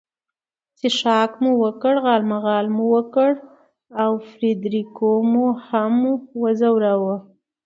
څښاک مو وکړ، غالمغال مو وکړ او فرېډریکو مو هم وځوراوه.